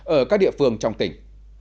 ở các địa phương trong tỉnh